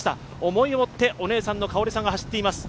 思いを持ってお姉さんの香織さんが走っています。